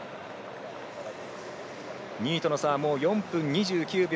２位との差は４分２９秒。